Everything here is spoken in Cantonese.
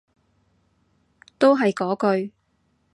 都係嗰句